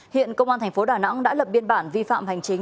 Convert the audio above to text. hiện công an thành phố đà nẵng đã lập biên bản vi phạm hành chính